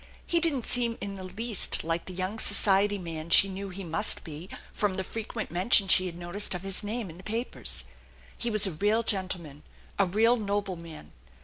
Hf didn't seem in the least like the young society man she knetf he must be from the frequent mention she had noticed of hitf name in the papers. He was a real gentleman, a real noble man!